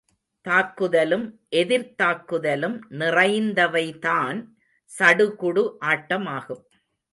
தாக்குதலும் எதிர்தாக்குதலும் நிறைந்தவைதான் சடுகுடு ஆட்டமாகும்.